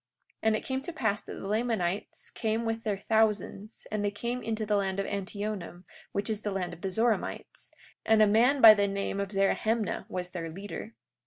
43:5 And it came to pass that the Lamanites came with their thousands; and they came into the land of Antionum, which is the land of the Zoramites; and a man by the name of Zerahemnah was their leader.